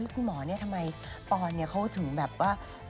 คุณหมอเนี่ยทำไมปอนเขาถึงแบบว่า